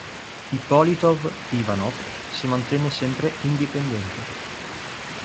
Ippolitov-Ivanov si mantenne sempre indipendente.